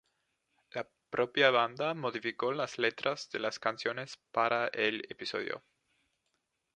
La propia banda modificó las letras de las canciones para el episodio.